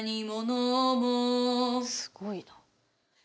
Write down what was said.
すごいな。